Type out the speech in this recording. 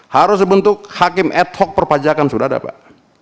harus bentuk hakim ad hoc perpajakan sudah ada pak